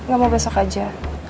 gak mau besok aja